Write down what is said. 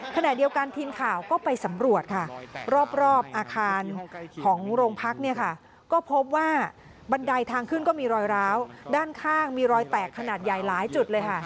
ขณะเดียวกันทีมข่าวก็ไปสำรวจค่ะรอบอาคารของโรงพักเนี่ยค่ะก็พบว่าบันไดทางขึ้นก็มีรอยร้าวด้านข้างมีรอยแตกขนาดใหญ่หลายจุดเลยค่ะ